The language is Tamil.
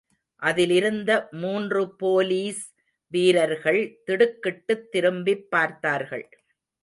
அதிலிருந்த மூன்று போலீஸ் வீரர்கள் திடுக்கிட்டுத் திரும்பிப் பார்த்தார்கள்.